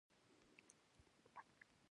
تعلیم نجونو ته د سپما کولو ګټې ور زده کوي.